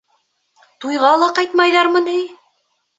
Туйға ла ҡайтмайҙармы ни?